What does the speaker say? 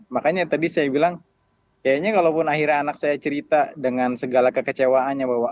makanya tadi saya bilang kayaknya kalaupun akhirnya anak saya cerita dengan segala kekecewaannya bahwa